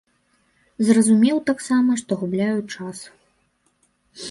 Зразумеў таксама, што губляю час.